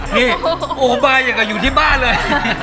นี่อุ้มบายอยู่ที่บ้านเลย